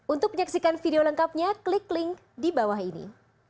untuk menyaksikan video lengkapnya klik link di bawah ini